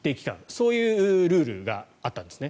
そういうルールがあったんですね。